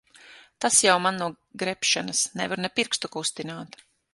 Tas jau man no grebšanas. Nevaru ne pirkstu kustināt.